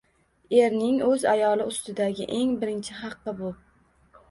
Erning o‘z ayoli ustidagi eng birinchi haqqi bu.